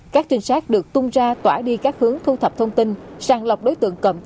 các trinh sát được tung ra tỏa đi các hướng thu thập thông tin sàng lọc đối tượng cầm cán trên địa bàn